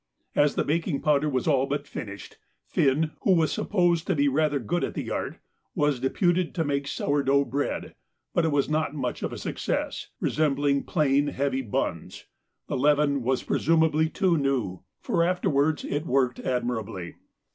As the baking powder was all but finished, Finn, who was supposed to be rather good at the art, was deputed to make sour dough bread, but it was not much of a success, resembling plain heavy buns. The leaven was presumably too new, for afterwards it worked admirably.